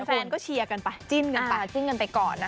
คุณแฟนก็เชียร์กันไปจิ้นกันไปก่อนนะ